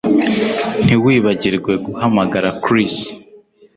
Ntiwibagirwe guhamagara Chris